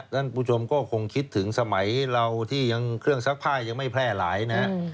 ท่านผู้ชมก็คงคิดถึงสมัยเราที่ยังเครื่องซักผ้ายังไม่แพร่หลายนะฮะ